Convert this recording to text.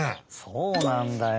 そうなんだよ。